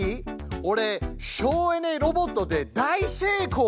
オレ省エネロボットで大成功。